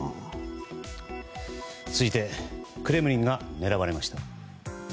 続いて、クレムリンが狙われました。